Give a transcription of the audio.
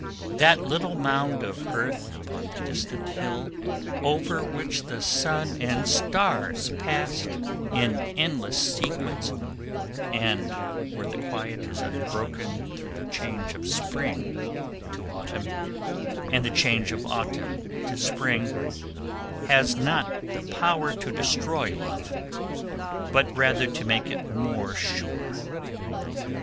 That little mound of earth upon the distant hill, over which the sun and stars pass in endless sequence, and where the quiet is unbroken through the change of spring to autumn, and the change of autumn to spring, has not the power to destroy love, but rather to make it more sure.